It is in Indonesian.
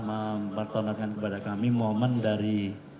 mempertonatkan kepada kami momen dari